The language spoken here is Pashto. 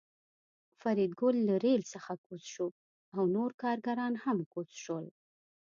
فریدګل له ریل څخه کوز شو او نور کارګران هم کوز شول